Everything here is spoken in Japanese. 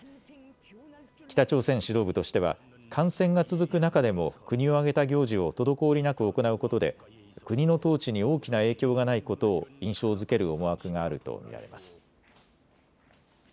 北朝鮮指導部としては感染が続く中でも国を挙げた行事を滞りなく行うことで国の統治に大きな影響がないことを印象づける思惑があると見られます。